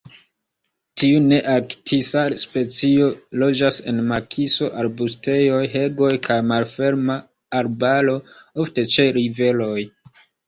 Tiu nearktisa specio loĝas en makiso, arbustejoj, heĝoj kaj malferma arbaro, ofte ĉe riveroj.